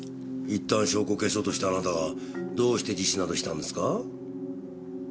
一旦証拠を消そうとしたあなたがどうして自首などしたんですか？